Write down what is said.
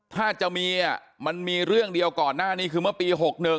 ถ้าจะมีมันมีเรื่องเดียวก่อนหน้านี้คือเมื่อปี๖๑